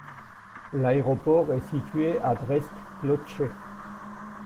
L'aéroport est situé à Dresde-Klotzsche.